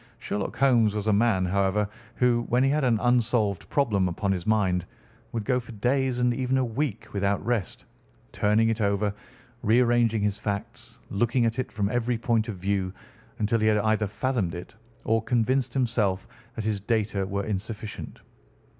Sherlock Holmes was a man, however, who, when he had an unsolved problem upon his mind, would go for days, and even for a week, without rest, turning it over, rearranging his facts, looking at it from every point of view until he had either fathomed it or convinced himself that his data were insufficient.